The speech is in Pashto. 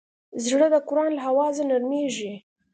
زړه د قرآن له اوازه نرمېږي.